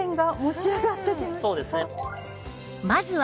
そうですね。